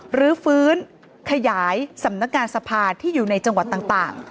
หรือฟื้นขยายสำนักงานสภาที่อยู่ในจังหวัดต่าง